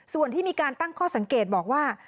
ส่วนที่มีการตั้งข้อสังเกตบอกว่า